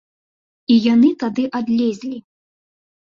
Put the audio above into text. І яны тады адлезлі!